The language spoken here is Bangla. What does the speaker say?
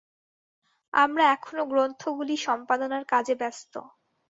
আমরা এখনও গ্রন্থগুলি সম্পাদনার কাজে ব্যস্ত।